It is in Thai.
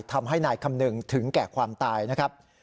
ทำให้นายคำนึงถึงแก่ความตายนะครับ